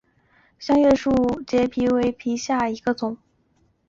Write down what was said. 香叶树加植节蜱为节蜱科子加植节蜱属下的一个种。